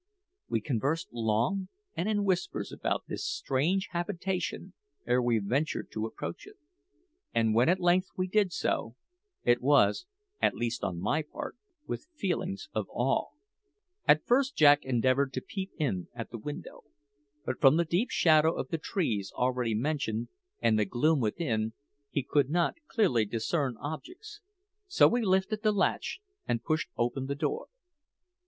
We conversed long and in whispers about this strange habitation ere we ventured to approach it; and when at length we did so, it was, at least on my part, with feelings of awe. At first Jack endeavoured to peep in at the window; but from the deep shadow of the trees already mentioned, and the gloom within, he could not clearly discern objects, so we lifted the latch and pushed open the door.